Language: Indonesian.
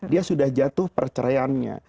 dia sudah jatuh perceraiannya